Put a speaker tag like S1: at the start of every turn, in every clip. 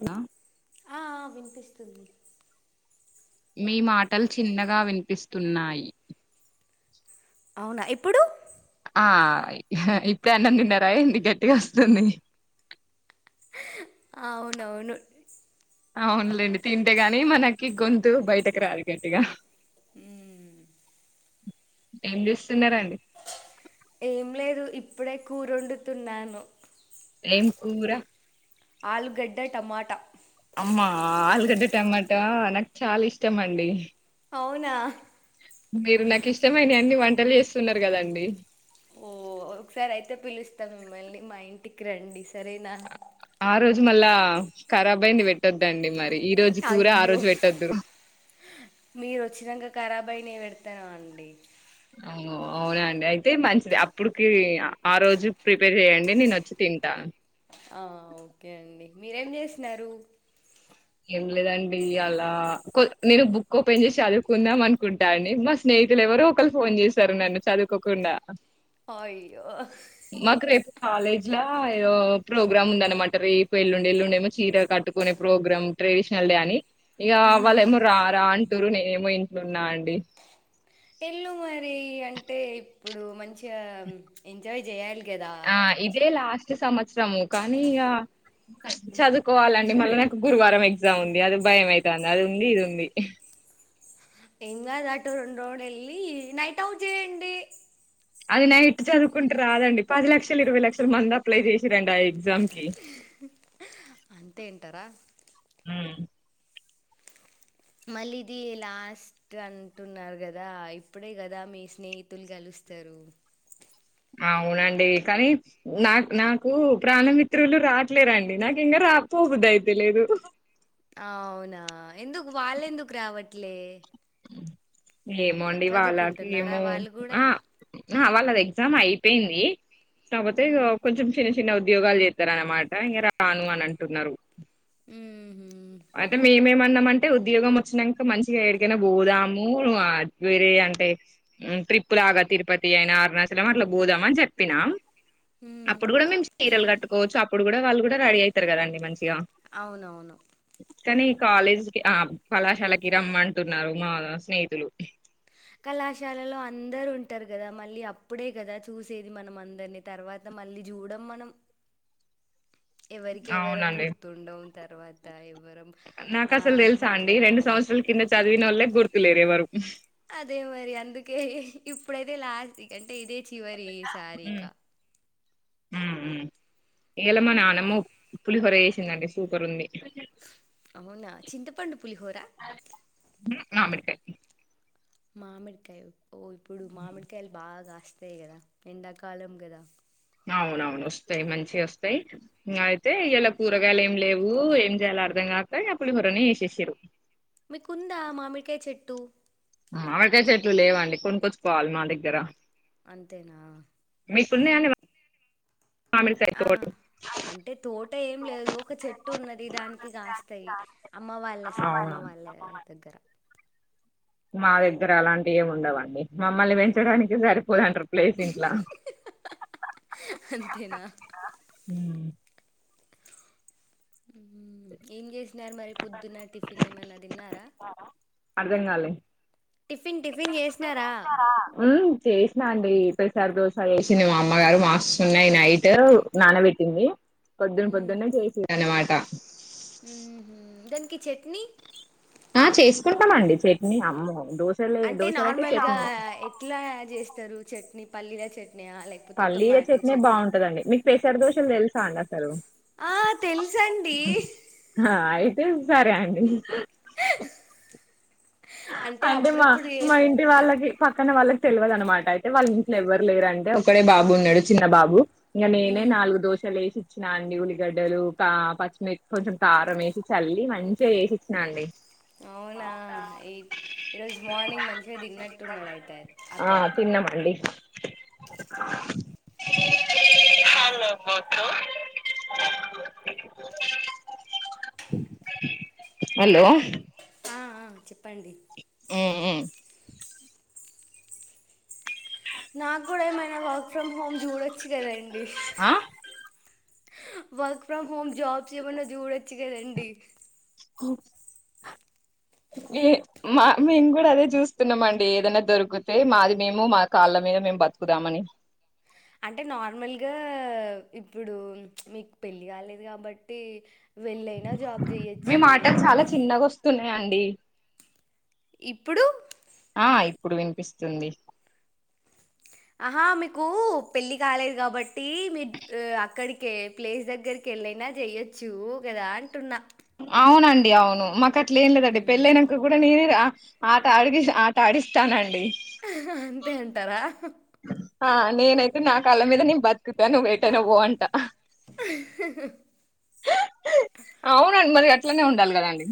S1: ఉండ్న
S2: ఆ ఆ, వినిపిస్తుంది
S1: మీ మాటలు చిన్నగా వినిపిస్తున్నాయి
S2: అవునా ఇప్పుడు
S1: ఆ ఇపుడే అన్నం తిన్నారా ఏంది గట్టిగా వస్తుది
S2: అవునవును
S1: అవునులేండి తింటేగాని మనకి గొంతు బయటకు రాదు గట్టిగా
S2: హమ్
S1: ఏం చేస్తున్నారాండి
S2: ఏం లేదు ఇప్పుడే కూరోండుతున్నాను
S1: ఏం కూర
S2: ఆలుగడ్డ టమాట
S1: అమ్మా ఆలుగడ్డ టమాటా నాకు చాలా ఇష్టం అండి
S2: అవునా
S1: మీరు నాకు ఇష్టమైన అన్ని వం టలు చేస్తున్నారు కదండి
S2: ఓ ఒకసారి అయితే పిలుస్తా మిమ్మల్ని మాఇంటికి రండి సరేనా
S1: ఆ రోజు మళ్ళా ఖరాబ్ అయింది పెట్టొద్దండి మరి ఈ రోజు కూర ఆ
S2: అయ్యో
S1: రోజు పెట్టొద్దు
S2: మీరు వచ్చినాక కరాబ్ అయినాయి పెడత త్తన అండి
S1: అవునా అండి అయితే మంచిది అప్పుడుకి ఆరోజు ప్రిపేర్ చేయండి నేను వచ్చి తింటా
S2: ఆ ఓకే అండి మీరేం చేస్తున్నారు
S1: ఏంలేదండి ఈయాల నేను బుక్ ఓపెన్ చేసి చదువుకుందాం అనుకుంటా అండి మా స్నేహితులు ఎవరో ఒకళ్ళు ఫోన్ చేస్తారు నన్ను చదువుకోకుండా
S2: అయ్యో
S1: మాకు రేపు కాలేజ్ ల ఏదో ప్రోగ్రామ్ ఉంద అన్నమాట రేపు ఎల్లుండి ఎల్లుండేమో చీర కట్టుకునే ప్రోగ్రాం ట్రెడిషనల్ డే అని ఇగ వాళ్ళు ఏమో రా రా అని టున్రు నేనేమో ఇంట్లున్నా అండి
S2: ఎల్లు మరి అంటే ఇప్పుడు మంచి ఇగ ఎంజాయ్ జేయా
S1: ఆ ఇదేలా సంవత్సరము కానీ ఇక చదువుకోవాలండి మళ్ళా నాకు గురువారం ఎగ్జామ్ ఉంది అది భయం అయితంది అది ఉంది ఇది ఉంది
S2: ఏం గాదు అటు రెండు రౌండ్లు వెళ్లి నైట్ అవుట్ చేయండి
S1: అది నై ఇట్ చదువుకుంటే రాదండి పది లక్షలు ఇరవై లక్షల మంది అప్లై చేసిరండి ఆ ఎగ్జామ్ కి
S2: అంతే అంటారా
S1: అ
S2: మళ్ళీ ఇది లాస్ట్ అంటున్నారు కదా ఇప్పుడే కదా మీ స్నేహితులు కలుస్తారు
S1: అవునండి కానీ నాకు నాకు ప్రాణమిత్రులు రాట్లేరు అండి నాకు ఇంకా రావు పోబుద్దీ అయిత లేదు
S2: అవునా ఎందుకు వాళ్ళెందుకు రావట్లే
S1: అ ఏమో అండి వాళ్ళకి
S2: చదువుకుంటున్నారా
S1: ఏమో
S2: వాళ్ళు కూడా
S1: ఆ వాళ్ళద ఎగ్జామ్ అయిపోయింది నాకపోతే
S2: మ్మ్
S1: కొంచెం చిన్న చిన్న అవ ఉద్యోగాలు చేస్తారనమాట ఇంక రాను అని అంటున్నారు
S2: మ్మ్
S1: అన్నా అంటే ఉద్యోగం వచ్చినాక మంచిగా ఎడికైనా పోదాము వేరే అంటే ట్రిప్పులాగా తిరుపతి అయినా అరుణాచలం అట్లా పోదాం అని చెప్పినా
S2: మ్మ్
S1: అప్పుడు కూడా మేము చీరలు కట్టుకోవచ్చు అప్పు ఇప్పుడు కూడ వాళ్ళు కూడా రెడీ అవుతారు కదండీ మంచి
S2: అవునవును
S1: కానీ కాలేజ్ క ఆ కళాశాలకి రమ్మంటున్నారు మా స్నేహితులు
S2: కళాశాలలో అందరు ఉంటారు కదా మళ్ళీ అప్పుడే కదా చూసేది మనం అందరిని తర్వాత మళ్ళీ చూడడం మనం ఎవరికి ఎవరం
S1: అవునండి
S2: గుర్తుండవు తర్వాత ఎవరం
S1: నాకు
S2: ఆ
S1: అసలు తెలుసా అండి రెండు
S2: మాట్లాడుకోం
S1: సంవత్సరాల కింద చదువినోళ్లు ఏ గుర్తు లేరే ఎవరు
S2: అదే మరి అందుకే ఇప్పుడైతే లాస్ట్ అంటే ఇదే చివరి సారీ ఇక
S1: మ్మ్ మ్మ్ ఇయల మా
S2: మ్మ్
S1: నానమ్మ ఓ పులిహోర చేసిందండి సూపర్ ఉంది
S2: అవునా చింత పండు పులిహోరా
S1: మామిడికాయ
S2: మామిడికాయలు ఓ ఇప్పుడు మామిడికాయలు బాగాస్త కదా ఎండా కాలం కదా
S1: అవునవును వస్తాయి మంచి వస్తాయి అయితే ఇలా కూరగాయలు ఏం లేవు ఏం చేయాల అర్థం కాక పులిహోరా వసేసారు
S2: మీకుందా మామిడికాయ చెట్టు
S1: మావిడికైతే చెట్లు లేవండి కొను కొచ్చుకోవాలి మా దగ్గర
S2: అంతేనా
S1: మీకున్న అనే
S2: ఆ అంటే తోట ఏం లేదు ఒక చెట్టు ఉన్నది దానికి కాస్తాయి అమ్మ వాళ్ళ అమ్మ
S1: అవునా
S2: వాళ్ళ దగ్గర
S1: మా దగ్గర అలాంటివి ఏమి ఉండవండి మమ్మల్ని పెంచడానికి సరిపోదంటారు ప్లేసిట్లా
S2: అంతేనా
S1: హ
S2: ఇం ఘే నార్ మరి పొద్దున్న టిఫిన్ ఏమన్నా తిన్నారా
S1: అర్ధం కాలి
S2: టిఫిన్ టిఫిన్ చేసినారా
S1: మ్మ చేసినాండి ఇ సారి దోస వేసింది మామ్మగారు మాస్ ఉన్నాయి నైట్ నానబెట్టింది పొద్దున్న పొద్దున్నే చేసేది అనమాట
S2: మ్ దానికి చట్నీ
S1: ఆ చేసుకుంటామండి చెట్ని అమ్మ
S2: అంటే నార్మల్గా ఎట్లా చేస్తారు చట్నీ పల్లిల చట్నీ లేకపోతే
S1: పల్లీల
S2: టొమాటో
S1: చెట్నే
S2: చట్నీ
S1: బాగుంటదండి మీకు పెసర దోషలు తెలుసా అండి అసలు
S2: ఆ తెలుసండి
S1: ఆ అయితే సరే అండి అంటే మా
S2: అప్పుడప్పుడు చే
S1: మా ఇంటి వాళ్ళకి పక్కన వాళ్ళకి తెలియదున్నమాట అయితే వాళ్ళ ఇంట్లో ఎవరు లేరుంటే ఒకడే బాబు ఉన్నాడు చిన్న బాబు నేనే
S2: మ్మ్.
S1: నాలుగు దోశాలులు వేసి ఇచ్చినా అండి ఉల్లిగడ్డలు పచ్చిమి కొంచెం కారం వేసి చల్లి మంచిగా వేసి ఇచ్చినా అండి
S2: అవునా ఏ ఈ రోజు మార్నింగ్ మంచిగా తిన్నట్టున్నాడుయిత అతను
S1: ఆ తిన్నామండి హలో
S2: చెప్పు
S1: ఆ
S2: నాకు కూడా ఏమైనా వర్క్ ఫ్రమ్ హోమ్ చూడొచ్చు కదాండి
S1: ఆ
S2: వర్క్ ఫ్రమ్ హోమ్ జాబ్స్ ఏమన్నా చూడొచ్చు కదండి
S1: ఏ మా మేము కూడా అదే చూస్తున్నామండి ఏదైనా దొరికితే మాది మేము మా కాళ్ళ మీద మేము బతుకుదామని
S2: అంటే నార్మల్గా ఇప్పుడు మీకు పెళ్ళి కాలేదు కాబట్టి వెళ్ళైనా జాబ్ చేయొచ్చు
S1: అండి
S2: ఇప్పుడు
S1: ఇప్పుడు వినిపిస్తుంది
S2: ఆహా మీకు పెళ్ళి కాలేదు కాబట్టి మీరు అక్కడికి ప్లేస్ దగ్గరికి వెళ్ళైనా చేయ్యొచ్చు కదా అంటున్నా
S1: అవునండి అవును మాక అట్లే ఇ లేద అడి
S2: మ్మ్.
S1: పెళ్ళనాకా కూడా నే ఆట ఆడిగి ఆట ఆడిస్తానండి
S2: అంతే అంటారా
S1: ఆ నేనైతే నా కాళ్ళ మీద నేను బతుకుతాను నువ్వు ఏటైనా పో అంట అవునండి మరి అ అట్లనే ఉండాలి కదండి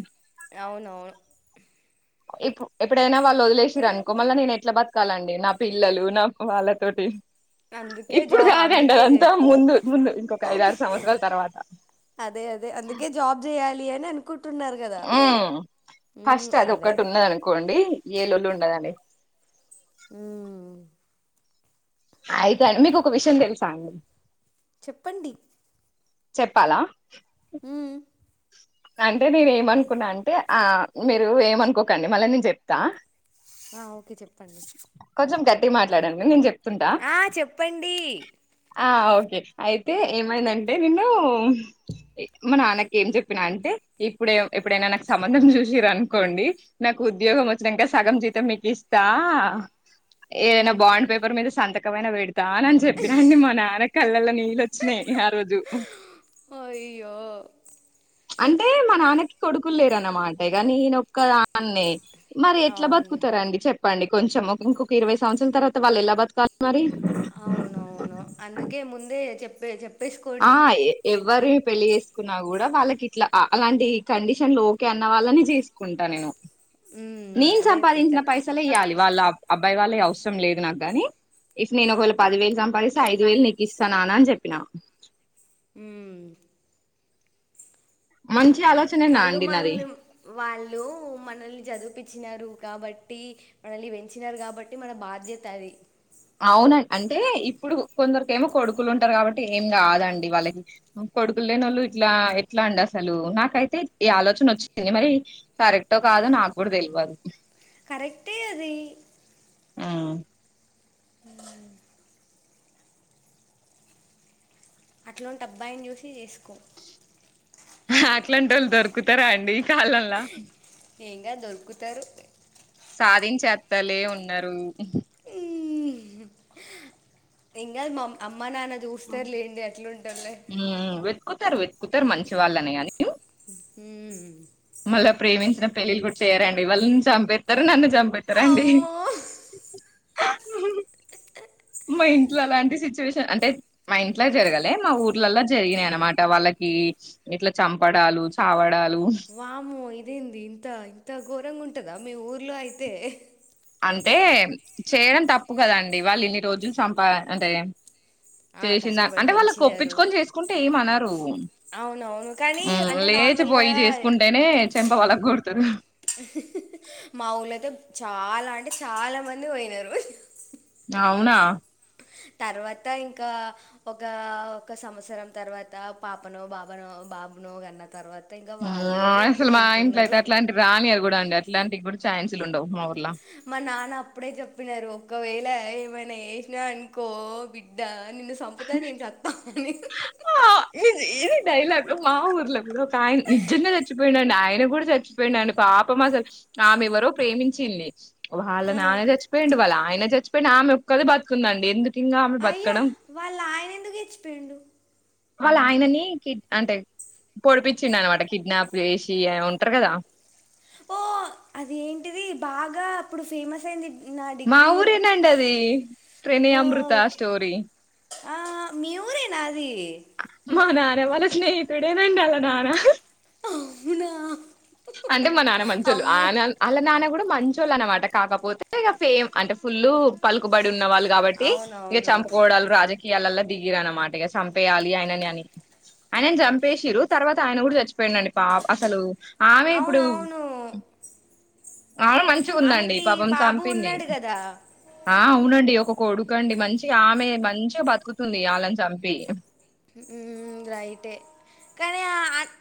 S2: అవునవును
S1: ప్పు ఎప్పుడైనా వాళ్ళు వదిలేసిర అనుకో మళ్ళ నేను ఎట్లా బతకాలండి నా పిల్లలు నా వాళ్ళతోటి
S2: అందుకే
S1: ఇప్పుడు
S2: జా
S1: కాదండి
S2: అందుకే చే-
S1: అదంతా ముందు ముందు ఇంకొక ఐదరు
S2: ఓకే
S1: సంవత్సరాల తర్వాత
S2: అనుకు
S1: ఉ ఫస్ట్ అది
S2: అదే
S1: ఒకటి ఉన్నద అనుకోండి ఏలళు ఉండదండి
S2: మ్మ్.
S1: అయితే అండి మీకు ఒక విషయం తెలుసా అండి
S2: చెప్పండి
S1: చెప్పాలా
S2: మ్మ్.
S1: అంటే నేను ఏమనుకున్నా అంటే ఆ మీరు ఏమనుకోకండి మళ్ళ నేను చెప్తా
S2: ఓకే చెప్పండి
S1: కట్టి మాట్లాడడి నేను చెప్పను
S2: ఆ చెప్పండి
S1: ఆ ఓకే అయితే ఏమైందంటే నేను మా నాన్నకి ఏం చెప్ చెప్పిన అంటే ఇప్పుడే ఎప్పుడైనా నాకు సంబంధం చూసిర అనుకోండి నాకు ఉద్యోగం వచ్చినాక సగం జీతం మీకు ఇస్తా ఏదైనా
S2: మ్మ్.
S1: బాండ్ పేపర్ మీద సంతక కవ వేడి రానని చెప్పిన అండి మా నాన్న కళ్ళల్లో నిల్లొచినయ్ ఆ రోజు
S2: అయ్యో
S1: అంటే మా నాన్నకి కొడుకులు లేరున్నమాట ఇగ నేనొక్క దాన్నే మరి ఎట్లా
S2: అవును
S1: బతుకుతరండి చెప్ అండి కొంచెం ఒక ఇంకొక ఇరవై సంవత్సరాల తర్వాత వాళ్ళు ఎలా బతకాలి మరి
S2: అవును అవును అందుకే ముందే చెప్ బెజప్ [inaudible]
S1: ఆ ఏ ఎం ఎవరి పెళ్ళి చేసుకున్నా కూడా వాళ్ళకి ఇట్లా అ అలాంటి కండిషన్లు ఓకే అన్న వాళ్ళని చేసుకుంటా నేను
S2: మ్మ్.
S1: నేను
S2: అదే
S1: సంపాదించిన
S2: బెటర్
S1: పైసలే ఇయ్యాలి వాళ్ళ అబ్ అబ్బాయి వెళ్ళే అవస్. అవసరం లేదు నాకు కానీ ఇస్ ఒకవేల పదివేలు నా పైసా ఐదువేలు నీకు ఇస్తా రానా అని చెప్పిన
S2: ఉమ్మ్
S1: మంచ్
S2: వాళ్లు మల్లు వాళ్లు మనల్ని చదువుపిచ్ చినారు కాబట్టి మనల్ని పెంచినారు కాబట్టి మన బాధ్యత అది
S1: ఏమో కొడుకులు ఉంటారు కాబట్టి ఏం కాదండి వాళ్ళకి కొడుకులు లేనోళ్లు ఇట్లా ఇట్ల అండి అసలు నాకైతే ఈ ఆలోచన వచ్చింది మరి కరెక్టో కాదో నాకు కూడా తెలవదు
S2: కరెక్టే అది
S1: ఆ
S2: ఉమ్ హు అట్లోంటి అబ్బాయిని చూసి చేసుకో
S1: ఆహ అట్లాంటోళ్లు దొరుకుతారా అండి కాలల్ల
S2: ఏం కాదు దొరుకుతారు.
S1: సాధించే అత్తలే ఉన్నరు. ఉహ్
S2: ఉమ్ హహ్ ఏం కాదు మమ్ అమ్ అమ్మ నాన్న చూస్తరు లేండి ఎట్లుంటదిలే.
S1: వెతుకుతరు మంచి వాళ్ళనే అని
S2: ఉమ్
S1: మల్ల ప్రేమించిన పెళ్లిళ్లు కూడా చేయరండి వాళ్ళు చంపేత్తరు నన్ను ఎగ్జామ్ పెట్టారండి
S2: అమ్మో
S1: ఉమ్ మా ఇంట్లో అలాంటి సిచ్యువేషన్ అంటే మా ఇంట్లో జరగాలే మా ఊర్లల్లలో జరిగినాయి. అనమాట వాళ్ళకి ఇట్లా చంపడాలు చావడాలు
S2: వామ్మో ఇదేంది ఇంత ఇంత ఘోరం గా ఉంట్ ఉంటాదా మీ ఊర్లో అయితే హ్
S1: అంటే చేయడం తప్పు కదండి. వాళ్లు ఇన్ని రోజులు చంపా అంటే.
S2: ఆ
S1: చేసిందా
S2: కష్టపడి
S1: అంటే వాళ్ళకి
S2: పెంచినారు.
S1: ఒప్పించుకొని చేసుకుంటే ఏమనరు
S2: అవునవును కానీ
S1: హ్మ్
S2: అంటే నార్మల్ గా
S1: లేచిపోయి చేసుకుంటేనే చెంప పగలగొడతారు
S2: హ్ హ్ మా ఊర్లో అయితే చాలా చాలామంది పోయినారు.
S1: అవునా.
S2: తర్వాత ఇంకా ఒక ఒక సంవత్సరం తర్వాత పాపనో బాబానో బాబునో కన్నా తర్వా
S1: హు అసలు మా ఇంట్లో అయితే అట్లాంటి రానయ్యరు కూడా అండి అట్లాంటి గు థాంక్స్ లు ఉండవు. మా ఉర్
S2: మా నాన్న అప్పుడే చెప్పినారు. ఒకవేళ ఏమైనా చేసినవనుకో బిడ్డ నిన్ను. చంపుతా నిన్ సత్త
S1: ఆ ఇది. డైలాగ్ మా ఊర్లో కూడా తాయం నిజ్జంగ చచ్చిపోయిండా [inaudible] ఆయన కూడా చచ్చిపోయిండండి పాపం అసలు ఆమె ఎవరో ప్రేమించింది వాళ్ళ
S2: ఆ,
S1: నాన్న చచ్చిపోయిడు వాళ్ళ ఆయన చచ్చిపోయి ఆమె ఒక్కద బతుకుందండి ఎందుకు ఇంకా ఆమె
S2: అయ్యా
S1: బతకడం
S2: వాళ్ళ ఆయన ఎందుకు చచ్చిపోయిండు
S1: వాళ్ళ ఆయనని కిడ్ అంటే పొడిపించిండన్నమాట కిడ్నాప్ చేసి అ ఉంటారు కదా
S2: అది ఏంటిది బాగా అప్పుడు ఫేమస్ అయింది నా
S1: మా
S2: డిగ్రీ ఓ,
S1: ఊరేనండి అది ప్రణయ్ అమృత
S2: ఓకే
S1: స్టోరీ
S2: ఆ మీ ఊరేనాఅది
S1: మా నాన్న వాళ్ళ స్నేహితుడేనండి వాళ్ళ నాన్న
S2: అవునా
S1: అంటే మా నాన్న మంచోళ్ళు ఆ
S2: అమ్మో
S1: నా ఆళ్ళ నాన్న గుడా మంచోళ్ళు అన్నమాట కాకపోతే ఇగ ఫేమ్ అంటే ఫుల్ పలుకుబడి ఉన్ న్న వాళ్ళు కాబట్టి ఇగ
S2: అవునవును
S1: చంపకోవడాలు రాజకీ ఏళ్లల దిగిరన్న మాట ఇగ చంపేయాలి ఆయనని అని ఆయనని చంపేషిరు తర్వా త ఆయన కూడా చచ్చిపోయినండి పాప అసలు ఆమె ఇప్పుడు
S2: అవునవును
S1: ఆమె మంచిగ ఉందండి
S2: ఆమెకి
S1: పాపం
S2: బాబు
S1: చంపింది
S2: ఉన్నాడు కదా
S1: ఆ అవునండి ఒక కోడు కండి మంచిగ ఆమె మంచిగా బతుకుతుంది వాళ్ళని చంపి
S2: హమ్ రైటే కానీ ఆ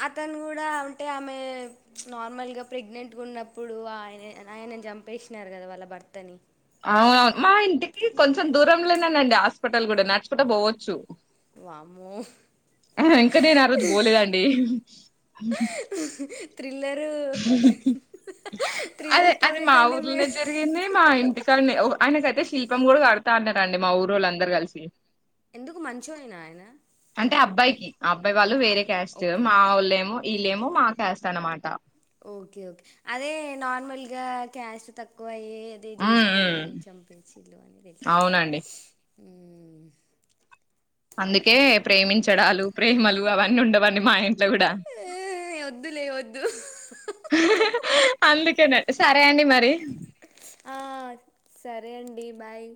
S2: అతను కూడా అంటే ఆమె నార్మల్గా ప్రెగ్నెంట్గా ఉన్నప్పుడు ఆయన ఆయన చంపేసినారు కదా వాళ్ళ భర్తని
S1: అవును మా ఇంటికి కొంచెం దూరంలోనేనండి హాస్పిటల్ కూడా నడుచుకుంట పోవచ్చు
S2: వామ్మో
S1: ఆ ఇంకా నేను ఆ రోజు పోలేదండి
S2: థ్రిల్లరు
S1: హ్మ్మ్ అదే
S2: థ్రిల్లర్
S1: అది మా
S2: స్టోరీస్ అంటే
S1: ఊర్లోనే
S2: మేము
S1: జరిగింది మా ఇంటికన్నే ఓ అయనకయితే శిల్పం కూడా కడుతా అన్నరండి మా ఊరోళ్ళు అందరూ కలిసి
S2: ఎందుకు మంఛాయాన ఆయన
S1: అంటే అబ్బాయికి అబ్బాయి వాళ్ళు వేరే
S2: ఆహా
S1: క్యాస్ట్
S2: ఓకే
S1: మా వాళ్ళేమో వీళ్లేమో మాక్యాస్ట్ అన్నమాట
S2: ఓకే ఓకే అదే నోర్మల్గా క్యాస్ట్ తక్కువయి అదే
S1: ఉమ్ ఉమ్
S2: చేసుకుని చంపింసిళు అని తెలుస్
S1: అవునండి అందుకే ప్రేమించడాలు ప్రేమలు అవన్నీ ఉండవన్నీ మా ఇంట్లో గూడా
S2: ఏ, వద్దులే వద్దు
S1: హహ హా అందుకనే సరే అండి మరి
S2: ఆ సరే అండి బాయ్